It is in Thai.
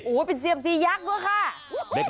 อู้วเป็นเชียมสียักษ์หรือคะ